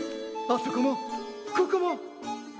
あそこもここも！